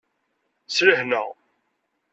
S lehna.